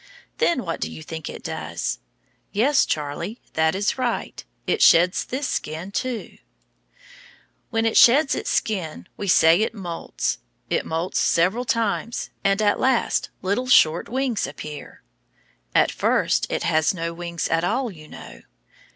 Then what do you think it does? Yes, Charlie, that is right, it sheds this skin too. When it sheds its skin we say it moults. It moults several times, and at last little short wings appear. At first it has no wings at all, you know.